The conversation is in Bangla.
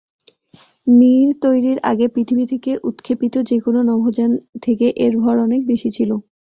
মির তৈরীর আগে পৃথিবী থেকে উৎক্ষেপিত যেকোন নভোযান থেকে এর ভর অনেক বেশি ছিল।